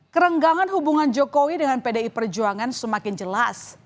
kerenggangan hubungan jokowi dengan pdi perjuangan semakin jelas